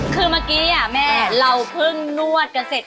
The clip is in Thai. คือเมื่อกี้แม่เราเพิ่งนวดกันเสร็จ